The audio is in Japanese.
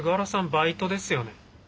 バイトですよね。